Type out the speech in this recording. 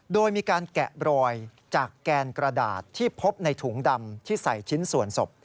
โดยมีการแกะรอยจากแกนกระดาษที่พบในถุงดำที่ใส่ชิ้นส่วนศพ